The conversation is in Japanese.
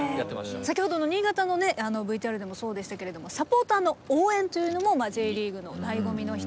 先ほどの新潟のＶＴＲでもそうでしたけれどもサポーターの応援というのもＪリーグのだいご味の一つでね